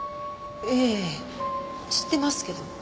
ええ知ってますけど。